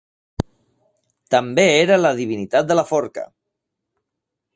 També era la divinitat de la forca.